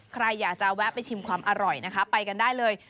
ใครอยากจะแวะไปชิมความอร่อยนะคะไปกันได้เลย